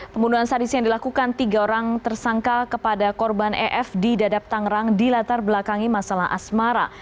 pemuruan sadisi yang dilakukan tiga orang tersangka kepada korban ef di dadap tangerang di latar belakangi masalah asmara